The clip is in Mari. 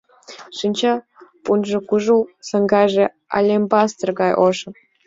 Шинча пунжо кужу, саҥгаже алебастр гай ошо.